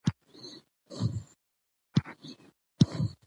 پامیر د افغان کلتور سره تړاو لري.